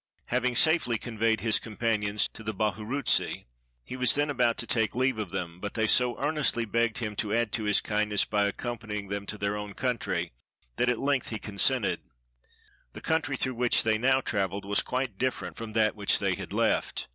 Having safely conveyed his companions to the Bahu rutsi, he was then about to take leave of them; but they so earnestly begged him to add to his kindness by accom panying them to their own country, that at length he consented. The country through which they now traveled was quite different from that which they had left.